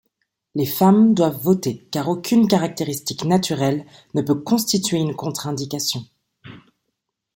Les femmes doivent voter car aucune caractéristique naturelle ne peut constituer une contre-indication.